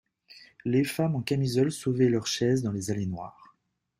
Les femmes en camisole sauvaient leurs chaises dans les allées noires.